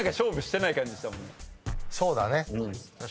そうだね。